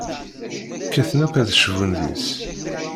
Kkaten akk ad d-cbun deg-s.